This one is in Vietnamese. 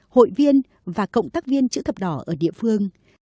hội viên và cộng tác viên chữ thập đỏ ở địa phương